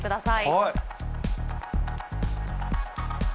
はい。